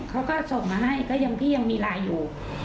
เขาก็ส่งมาให้ก็ยังพี่ยังมีไลน์อยู่